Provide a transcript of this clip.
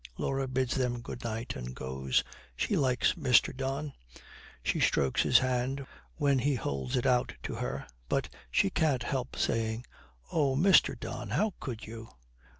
Laura bids them good night and goes. She likes Mr. Don, she strokes his hand when he holds it out to her, but she can't help saying, 'Oh, Mr. Don, how could you?'